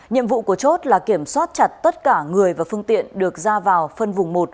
nhiệm vụ của chốt là kiểm soát chặt tất cả người và phương tiện được ra vào phân vùng một